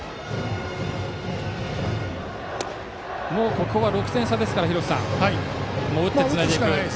ここは６点差ですから廣瀬さん、打ってつないでいく。